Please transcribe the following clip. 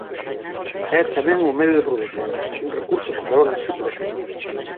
É tamén un medio de produción, un recurso con valor en si propio.